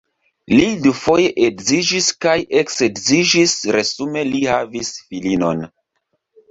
Li dufoje edziĝis kaj eksedziĝis, resume li havis filinon.